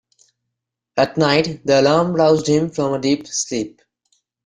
At night the alarm roused him from a deep sleep.